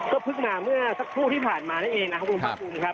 ก็เพิ่งมาเมื่อสักครู่ที่ผ่านมานั่นเองนะครับคุณภาคภูมิครับ